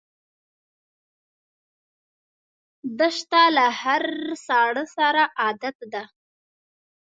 دښته له هرې ساړه سره عادت ده.